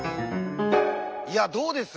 いやどうです？